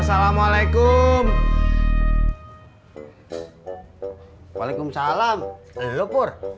assalamualaikum waalaikumsalam lho pur ada apaan anu mbak surti nggak jualan ya